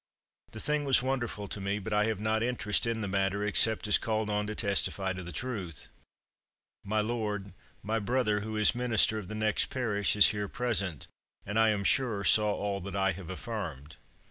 The thing was wonderful to me, but I have not interest in the matter, except as called on to testify to the truth. My lord, my brother, who is minister of the next parish, is here present, and, I am sure, saw all that I have affirmed.